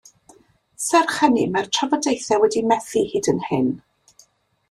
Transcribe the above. Serch hynny, mae'r trafodaethau wedi methu hyd yn hyn.